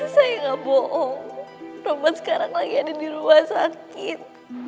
saya nggak bohong romo sekarang lagi ada di rumah sakit